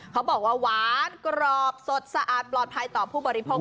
เขาบอกว่าหวานกรอบสดสะอาดปลอดภัยต่อผู้บริโภค